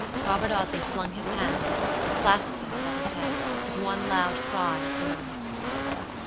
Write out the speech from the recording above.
Robert Audley flung his hands and clasped them above his head, with one loud cry of horror.